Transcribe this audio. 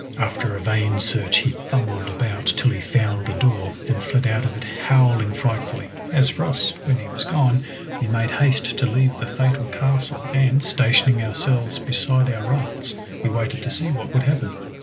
After a vain search he fumbled about till he found the door, and fled out of it howling frightfully. As for us, when he was gone we made haste to leave the fatal castle, and, stationing ourselves beside our rafts, we waited to see what would happen.